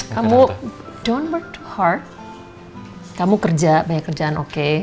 kamu don't work too hard kamu kerja banyak kerjaan oke